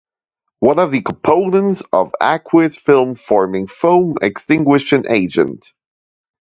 What are the components of Aqueous film-forming foam extinguishing agent?